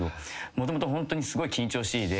もともとホントにすごい緊張しいで。